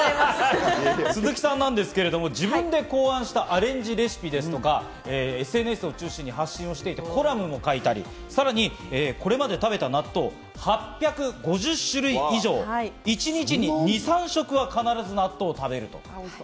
鈴木さんなんですけれども、自分で考案したアレンジレシピですとか、ＳＮＳを中心に発信してコラムも書いたり、さらにこれまで食べた納豆、８５０種類以上、一日に２３食は必ず納豆を食べる。